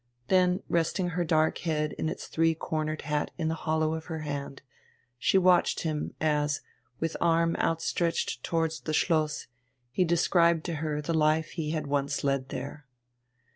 Then, resting her dark head in its three cornered hat in the hollow of her hand, she watched him as, with arm outstretched towards the Schloss, he described to her the life he had once led there.